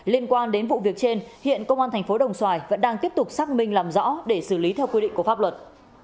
liên quan đến vụ việc trên hiện công an thành phố đồng xoài vẫn đang tiếp tục xác minh làm rõ để xử lý theo quy định của pháp luật